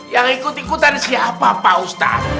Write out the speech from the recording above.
yang ikut ikutan siapa pak ustadz